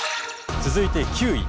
続いて９位。